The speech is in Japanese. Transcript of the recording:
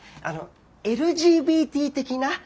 あのＬＧＢＴ的な？